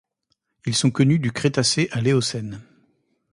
Ils sont connus du Crétacé à l'Éocène.